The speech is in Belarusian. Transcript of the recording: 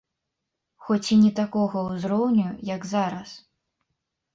Хоць і не такога ўзроўню, як зараз.